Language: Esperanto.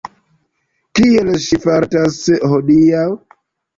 Kiel ŝi fartas hodiaŭ?